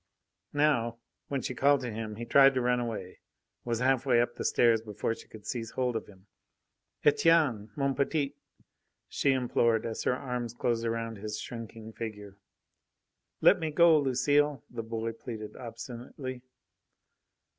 Now, when she called to him, he tried to run away, was halfway up the stairs before she could seize hold of him. "Etienne, mon petit!" she implored, as her arms closed around his shrinking figure. "Let me go, Lucile!" the boy pleaded obstinately.